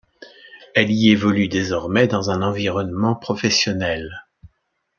Elle y évolue désormais dans un environnement professionnel.